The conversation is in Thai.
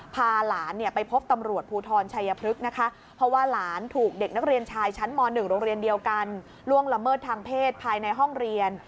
พาหลานเนี่ยไปพบตำรวจภูทรชัยพฤกษ์นะคะเพราะว่าหลานถูกเด็กนักเรียนชายชั้นม๑โรงเรียนเดียวกันล่วงละเมิดทางเพศภายในห้องเรียน